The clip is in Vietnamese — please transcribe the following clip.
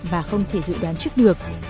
và không thể dự đoán trước được